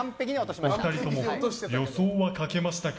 お二人とも予想は書けましたか？